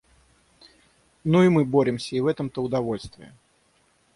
Ну, и мы боремся, и в этом-то удовольствие.